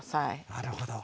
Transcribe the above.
なるほど。